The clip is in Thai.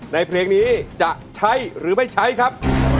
เพลงนี้จะใช้หรือไม่ใช้ครับ